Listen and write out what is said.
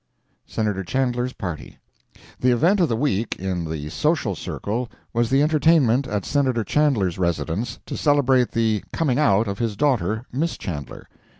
Senator Chandler's Party The event of the week, in the social circle, was the entertainment at Senator Chandler's residence, to celebrate the "coming out" of his daughter, Miss Chandler.